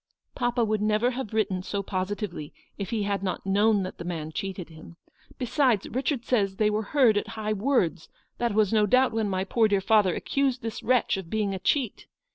" Papa would never have written so positively, if he had not known that the man cheated him. Besides, Ptichard says they were heard at high words; that was no doubt when my poor dear father accused this wretch of being a cheat.